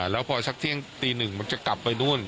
แล้วพอสักเที่ยงตีหนึ่งมันจะกลับไปนู่น